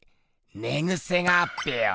ねぐせがあっぺよ！